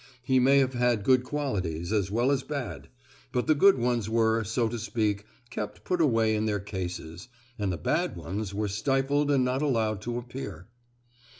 He may have had many good qualities, as well as bad; but the good ones were, so to speak, kept put away in their cases, and the bad ones were stifled and not allowed to appear.